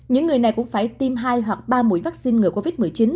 những người này cũng phải tiêm hai hoặc ba mũi vaccine ngừa covid một mươi chín